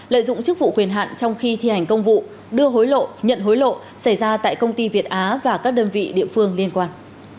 lợi dụng chức vụ quyền hạn trong khi thi hành công vụ đưa hối lộ nhận hối lộ xảy ra tại công ty việt á và các đơn vị địa phương liên quan